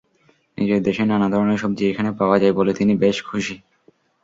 নিজের দেশের নানা ধরনের সবজি এখানে পাওয়া যায় বলে তিনি বেশ খুশি।